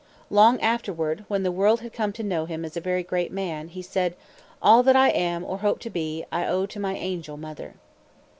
Long afterward, when the world had come to know him as a very great man, he said: "All that I am, or hope to be, I owe to my angel mother."